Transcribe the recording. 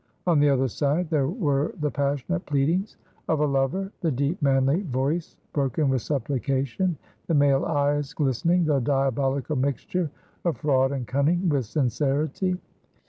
On the other side there were the passionate pleadings of a lover; the deep, manly voice broken with supplication, the male eyes glistening, the diabolical mixture of fraud and cunning with sincerity.